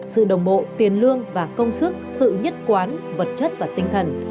sự đồng bộ tiền lương và công sức sự nhất quán vật chất và tinh thần